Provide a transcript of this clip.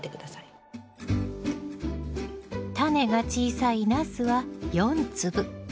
タネが小さいナスは４粒。